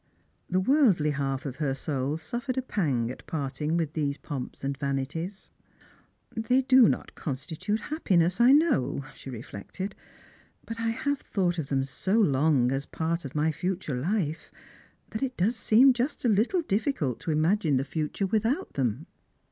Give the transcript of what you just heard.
The worldly half of her soul suffered a pang at parting with these pomps and vanities. " They do not constitute happiness, I know," she reilected ;" but I have thought of them so long as a part of my future life, that it does seem just a little difficult to imagine the future with out them."